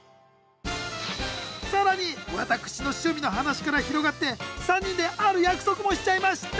更に私の趣味の話から広がって３人である約束もしちゃいました